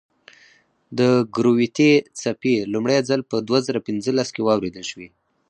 د ګرویتي څپې لومړی ځل په دوه زره پنځلس کې واورېدل شوې.